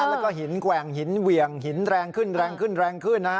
แล้วก็หินแวงหินเหวี่ยงหินแรงขึ้นนะฮะ